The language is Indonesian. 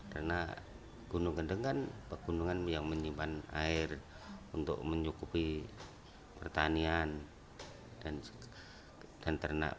karena gunung kendeng kan gunungan yang menyimpan air untuk menyukupi pertanian dan ternak